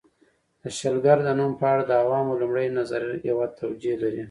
د شلګر د نوم په اړه د عوامو لومړی نظر یوه توجیه لري